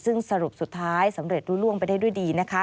ซึ่งสรุปสุดท้ายสำเร็จรู้ล่วงไปได้ด้วยดีนะคะ